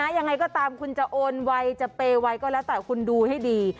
ยังไงก็ตามคุณจะโอนไวจะเปย์วัยก็แล้วแต่คุณดูให้ดี